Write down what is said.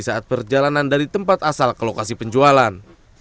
saat perjalanan dari tempat asal ke lokasi penjualan